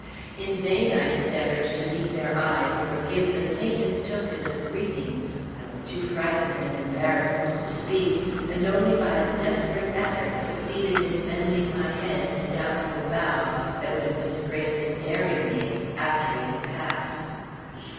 In vain I endeavored to meet their eyes, or give the faintest token of greeting. I was too frightened and embarrassed to speak, and only by a desperate effort succeeded in bending my head in a doubtful bow, that would have disgraced a dairy maid, after we had passed.